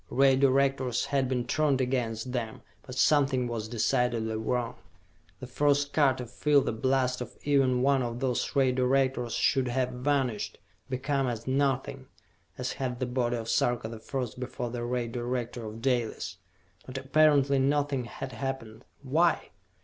Ray Directors had been turned against them, but something was decidedly wrong. The first car to feel the blast of even one of those Ray Directors should have vanished, become as nothing, as had the body of Sarka the First before the Ray Director of Dalis. But apparently nothing had happened. Why?